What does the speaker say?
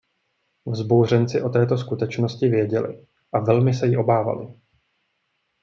Vzbouřenci o této skutečnosti věděli a velmi se jí obávali.